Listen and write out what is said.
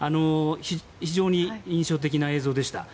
非常に印象的な映像でした。